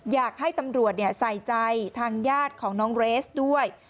อยากให้ตำรวจใส่ใจทางญาติของน้องเรสด้วย